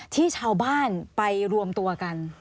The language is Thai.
ที่ชาวบ้านไปรวมตัวกัน